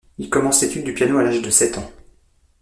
Il commence l'étude du piano à l'âge de sept ans.